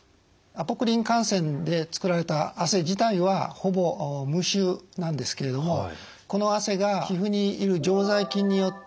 アポクリン汗腺で作られた汗自体はほぼ無臭なんですけれどもこの汗が皮膚にいる常在菌によって分解されます。